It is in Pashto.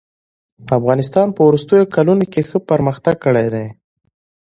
افغانستان په وروستيو کلونو کښي ښه پرمختګ کړی دئ.